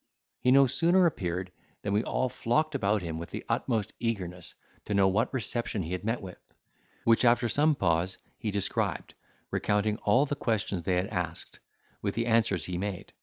He no sooner appeared, than we all flocked about him with the utmost eagerness to know what reception he had met with; which, after some pause, he described, recounting all the questions they had asked, with the answers he made.